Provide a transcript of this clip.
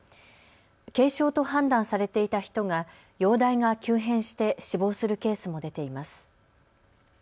軽症と判断されていた人が容体が急変して死亡するケースも出ています。